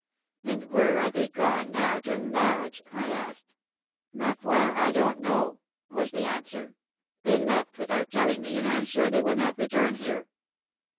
'And where are they gone now to lodge?' I asked. 'Ma foi, I don't know!' was the answer; 'they left without telling me, and I am sure they will not return here.'"